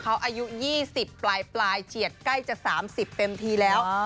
อายุ๒๐ปลายปลายเจียดใกล้จะ๓๐เต็มทีแล้ว